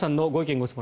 ・ご質問